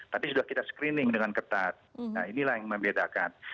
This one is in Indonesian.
tadi sudah kita screening dengan ketat nah inilah yang membedakan